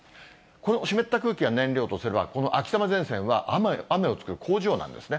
この湿った空気が燃料とすれば、この秋雨前線は雨を作る工場なんですね。